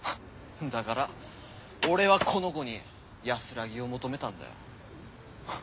んだがら俺はこの子に安らぎを求めたんだよ。